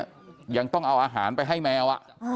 ยังต้องเอาอาหารไปให้แมว